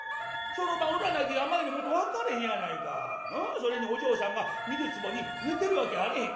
それにお嬢さんが水壺に寝てるわけやあれへん」。